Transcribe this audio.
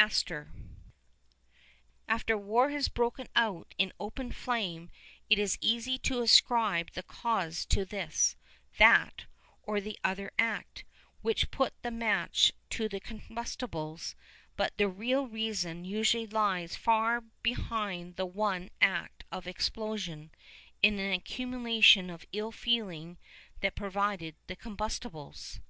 [Illustration: MAP OF THE WEST COAST, SHOWING THE OGDEN AND ROSS EXPLORATIONS] After war has broken out in open flame it is easy to ascribe the cause to this, that, or the other act, which put the match to the combustibles; but the real reason usually lies far behind the one act of explosion, in an accumulation of ill feeling that provided the combustibles.